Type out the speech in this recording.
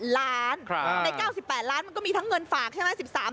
ใน๙๘ล้านมันก็มีทั้งเงินฝากใช่ไหม